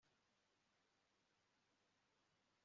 urugimbu rwo ku mwijima azarukurane n impyiko